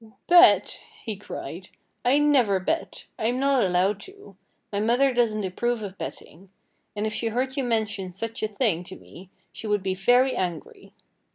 "Bet!" he cried. "I never bet! I'm not allowed to. My mother doesn't approve of betting. And if she heard you mention such a thing to me she would be very angry."